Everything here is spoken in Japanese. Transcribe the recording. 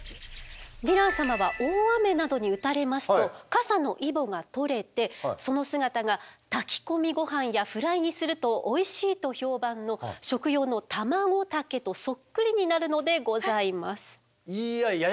ヴィラン様は大雨などに打たれますとカサのイボが取れてその姿が炊き込みごはんやフライにするとおいしいと評判の食用のタマゴタケとそっくりになるのでございます。